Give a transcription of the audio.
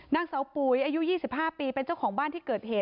นางเสาปุ๋ยอายุ๒๕ปีเป็นเจ้าของบ้านที่เกิดเหตุ